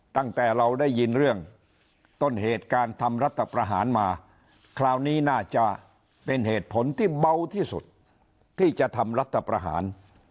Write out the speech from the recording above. ตั้งแต่เราได้ยินเรื่องต้นเหตุการทำรัฐประหารมาคราวนี้น่าจะเป็นเหตุผลที่เบาที่สุดที่จะทำรัฐประหาร